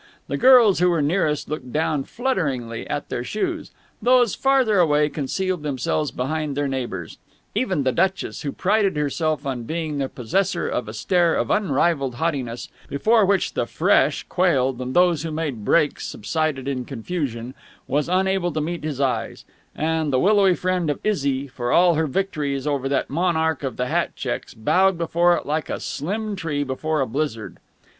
The girls who were nearest looked down flutteringly at their shoes: those further away concealed themselves behind their neighbours. Even the duchess, who prided herself on being the possessor of a stare of unrivalled haughtiness, before which the fresh quailed and those who made breaks subsided in confusion, was unable to meet his eyes: and the willowy friend of Izzy, for all her victories over that monarch of the hat checks, bowed before it like a slim tree before a blizzard.